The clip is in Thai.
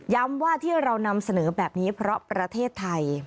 ว่าที่เรานำเสนอแบบนี้เพราะประเทศไทย